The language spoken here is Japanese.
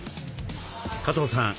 加藤さん